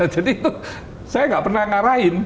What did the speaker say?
jadi itu saya nggak pernah ngarain